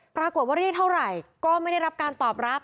ปรากฏว่าเรียกเท่าไหร่ก็ไม่ได้รับการตอบรับ